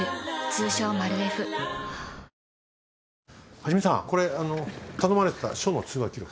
一さんこれあの頼まれてた署の通話記録。